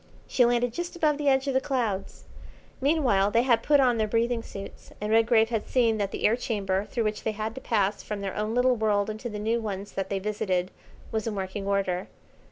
She landed just above the edge of the clouds. Meanwhile they had put on their breathing suits, and Redgrave had seen that the air chamber through which they had to pass from their own little world into the new ones that they visited was in working order.